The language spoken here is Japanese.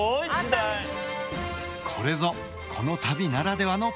これぞこの旅ならではのポイント。